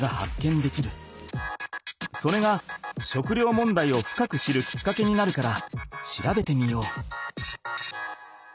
それが食料もんだいを深く知るきっかけになるから調べてみよう。